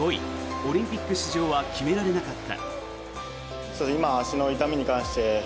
オリンピック出場は決められなかった。